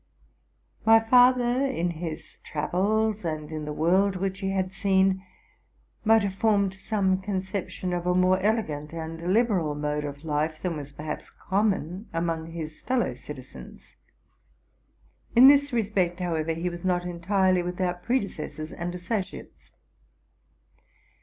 My father, in his travels and in the world which he had seen, might have formed some concep tion of a more elegant and liberal mode of life than was, perhaps, common among his fellow citizens. In this re spect, however, he was not entirely without predecessors and associates.